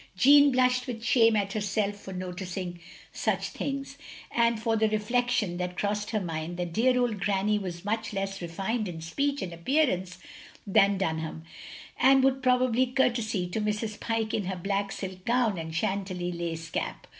Jeanne blushed with shame at herself for noticiQg such things, and for the reflection that crossed her mind that dear old Granny was much less refined in speech and appearance than Dun ham, and would probably courtesy to Mrs. Pyke in her black silk gown and Chantilly lace cap.